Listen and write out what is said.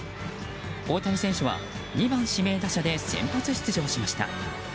大谷選手は２番指名打者で先発出場しました。